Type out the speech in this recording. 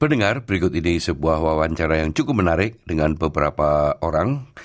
saya dengar berikut ini sebuah wawancara yang cukup menarik dengan beberapa orang